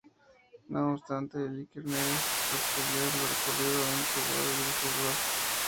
No obstante, Vikernes repudió lo ocurrido en su web y su blog.